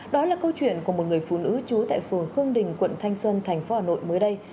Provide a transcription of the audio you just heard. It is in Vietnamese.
đó là câu chuyện của một người phụ nữ trú tại phường khương đình quận thanh xuân thành phố hà nội mới đây